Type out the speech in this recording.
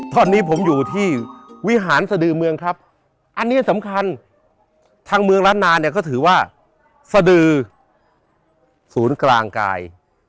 ท่อนนี้ผมอยู่ที่วิหารสดือเมืองครับอันนี้สำคัญทางเมืองล้านนาเนี่ยก็ถือว่าสดือศูนย์กลางกาย